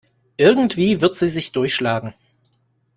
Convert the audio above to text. Irgendwie wird sie sich durchschlagen.